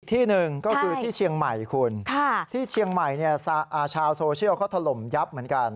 ที่หนึ่งก็คือที่เชียงใหม่คุณที่เชียงใหม่ชาวโซเชียลเขาถล่มยับเหมือนกัน